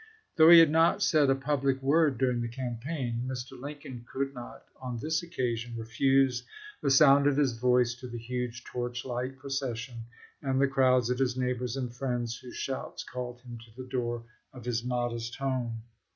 Though he had not said a public word during the campaign, Mr. Lincoln could not on this occasion refuse the sound of his voice to the huge torch light procession and the crowds of his neighbors and friends whose shouts called him to the door of his modest home.